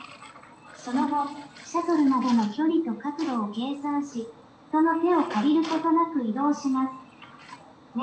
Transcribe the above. その後シャトルまでの距離と角度を計算し人の手を借りることなく移動します。ね？